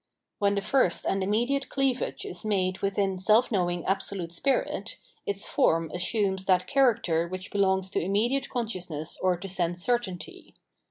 When the first and immediate cleavage is made within self knowing Absolute Spirit, its form assumes that character which belongs to immediate consciousness or to sense certainty.